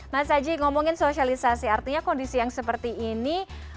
mas aji ngomongin sosialisasi artinya kondisi yang seperti ini